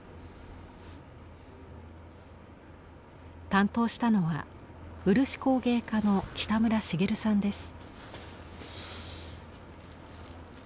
担当したのは漆工芸家の北村繁さんです。